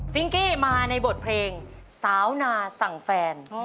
กี้มาในบทเพลงสาวนาสั่งแฟน